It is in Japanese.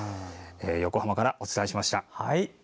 横浜からお伝えしました。